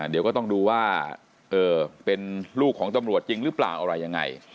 เดี๋ยวก็ต้องดูว่าเป็นลูกของตำรวจจริงหรือเปล่าอะไรยังไง